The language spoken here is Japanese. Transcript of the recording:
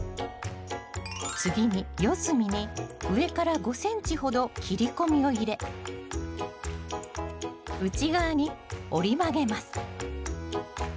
次に四隅に上から５ｃｍほど切り込みを入れ内側に折り曲げます。